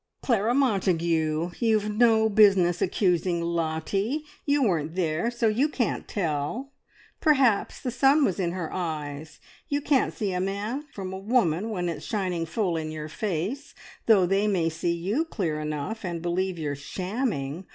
"Clara Montagu, you've no business accusing Lottie! You weren't there, so you can't tell! Perhaps the sun was in her eyes. You can't see a man from a woman when it's shining full in your face, though they may see you clear enough, and believe you're shamming.